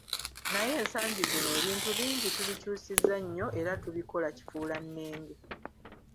Naye ensangi zino ebintu bingi tubikyusizza nnyo era tubikola kifuulannenge.